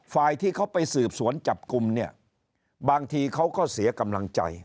ฝ่ายที่เขาไปสืบสวนจับกลุ่มเนี่ยบางทีเขาก็เสียกำลังใจ